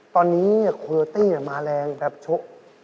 ตอนนี้โคโยตี้มาแรงแบบชก